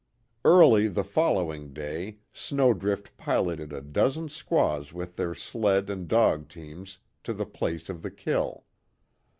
Early the following day Snowdrift piloted a dozen squaws with their sleds and dog teams to the place of the kill.